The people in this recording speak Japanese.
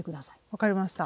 分かりました。